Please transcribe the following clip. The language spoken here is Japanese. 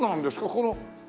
この。